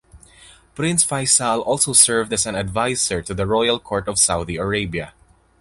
Prince Faisal also served as an adviser to the Royal Court of Saudi Arabia.